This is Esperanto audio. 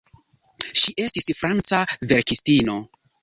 Ŝi estis franca verkistino.